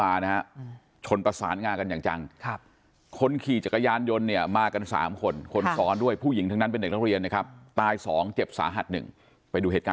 แล้วเราจะเห็นแต่แค่ว่าอันนี้เขาจอดนะเขาจอดแล้วไงแล้วเขาก็พุ่งเหรอว้าย